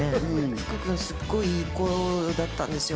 福君、すっごい、いい子だったんですよ。